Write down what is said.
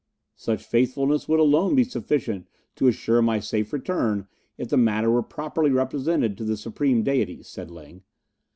"Such faithfulness would alone be sufficient to assure my safe return if the matter were properly represented to the supreme Deities," said Ling.